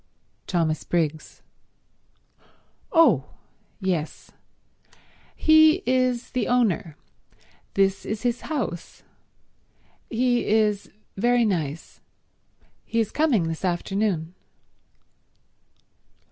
"Thomas Briggs." "Oh. Yes. He is the owner. This is his house. He is very nice. He is coming this afternoon."